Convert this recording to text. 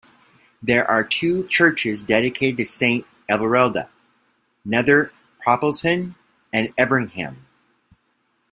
There are two churches dedicated to Saint Everilda - Nether Poppleton and Everingham.